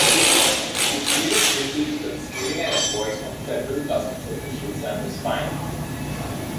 She pleaded guilty to concealing an invoice from federal customs officials and was fined.